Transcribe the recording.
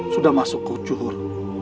sudah masuk ke cuhur